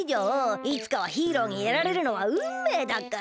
いつかはヒーローにやられるのはうんめいだから！